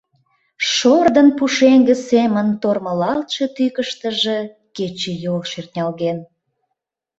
Шордын пушеҥге семын тормылалтше тӱкыштыжӧ кечыйол шӧртнялген.